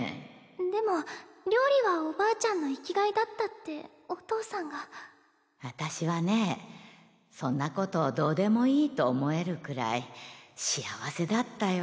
でも料理はおばあちゃんの生きがいだったってお父さんが私はねそんなことどうでもいいと思えるくらい幸せだったよ